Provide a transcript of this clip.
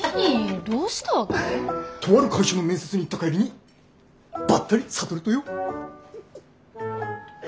とある会社の面接に行った帰りにばったり智とよ。